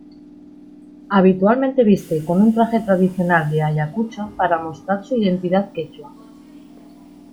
Habitualmente viste con un traje tradicional de Ayacucho para mostrar su identidad quechua.